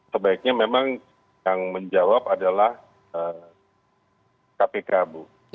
sebaiknya memang yang menjawab adalah kpk bu